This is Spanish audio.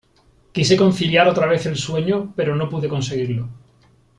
quise conciliar otra vez el sueño , pero no pude conseguirlo .